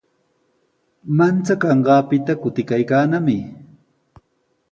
Manchakanqaapita kutikaykaanami.